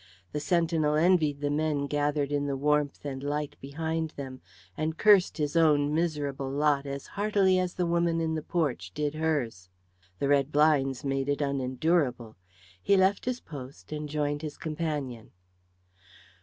The sentinel envied the men gathered in the warmth and light behind them, and cursed his own miserable lot as heartily as the woman in the porch did hers. The red blinds made it unendurable. He left his post and joined his companion.